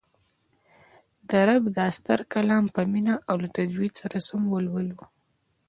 د رب دا ستر کلام په مینه او له تجوید سره سم ولولو